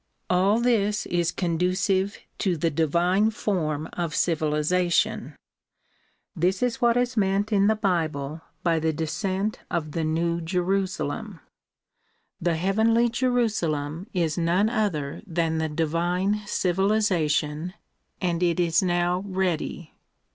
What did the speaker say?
All this is conducive to the divine form of civilization. This is what is meant 97 98 THE PROMULGATION OF UNIVERSAL PEACE in the bible by the descent of the New Jerusalem. The heavenly Jerusalem is none other than the divine civilization, and it is now ready.